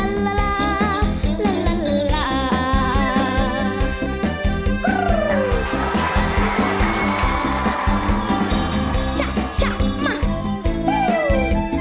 โฮลาเลโฮลาเลโฮลาเล